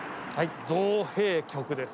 造幣局です。